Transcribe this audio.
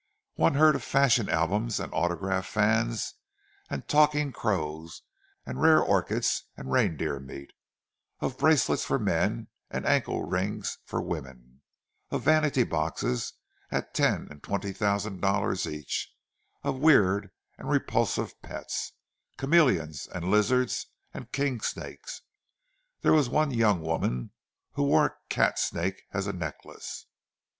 One heard of fashion albums and autograph fans and talking crows and rare orchids and reindeer meat; of bracelets for men and ankle rings for women; of "vanity boxes" at ten and twenty thousand dollars each; of weird and repulsive pets, chameleons and lizards and king snakes—there was one young woman who wore a cat snake as a necklace.